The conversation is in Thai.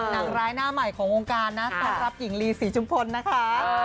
นางร้ายหน้าใหม่ของวงการนะต้อนรับหญิงลีศรีชุมพลนะคะ